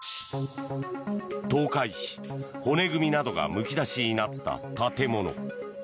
倒壊し、骨組みなどがむき出しになった建物。